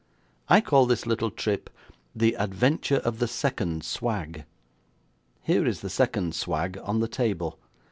I call this little trip 'The Adventure of the Second Swag'. Here is the second swag on the table.